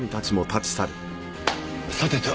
さてと。